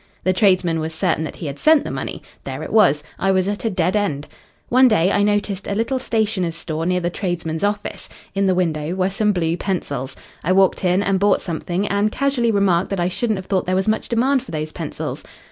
The tradesman was certain that he had sent the money. There it was. I was at a dead end. One day, I noticed a little stationer's store near the tradesman's office. In the window were some blue pencils. I walked in and bought something, and casually remarked that I shouldn't have thought there was much demand for those pencils.